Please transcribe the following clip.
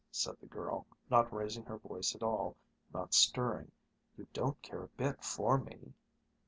said the girl, not raising her voice at all, not stirring. "You don't care a bit for me."